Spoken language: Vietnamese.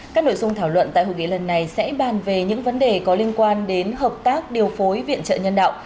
các nội dung thảo luận tại hội nghị lần này sẽ bàn về những vấn đề có liên quan đến hợp tác điều phối viện trợ nhân đạo